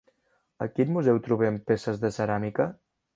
A quin museu trobem peces de ceràmica?